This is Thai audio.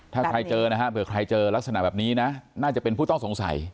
ถ้าใครเจอนะฮะเผื่อใครเจอลักษณะแบบนี้นะน่าจะเป็นผู้ต้องสงสัย